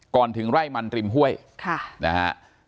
ก่อนถึงไล่มันริมห้วยค่ะนะฮะอ่า